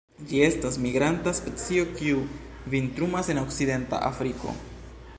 Ĝi estas migranta specio, kiu vintrumas en okcidenta Afriko.